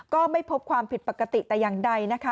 ก็ไม่พบความผิดปกติแต่อย่างใดนะคะ